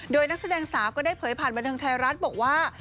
โดยนักแสดงสาวก็ได้เผยผ่านบริเวณธรรมไทยรัฐว่า